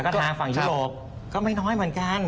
ก็ทางฝั่งยุโรปก็ไม่น้อยเหมือนกัน